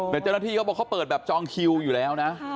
แต่เจ้าหน้าที่เขาบอกเขาเปิดแบบจองคิวอยู่แล้วนะ